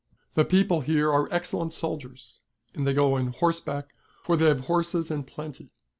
The people here are excellent soldiers, and they go on horseback, for they have horses in plenty.